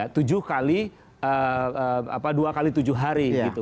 tujuh kali dua kali tujuh hari